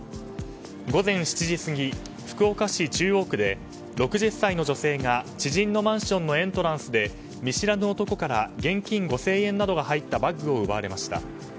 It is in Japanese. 午前７時過ぎ、福岡市中央区で６０歳の女性が知人のマンションのエントランスで見知らぬ男から現金５０００円などが入ったバッグを奪われました。